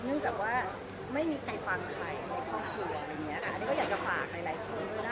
เนื่องจากว่าไม่มีใครฟังใครในครอบครัวแบบนี้นะคะ